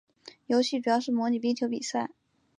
游戏主要是模拟冰球比赛。